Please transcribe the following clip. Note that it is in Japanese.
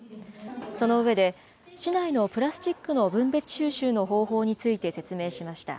その上で、市内のプラスチックの分別収集の方法について説明しました。